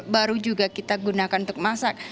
baru juga kita gunakan untuk masak